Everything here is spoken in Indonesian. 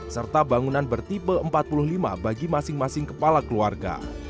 serta bangunan bertipe empat puluh lima bagi masing masing kepala keluarga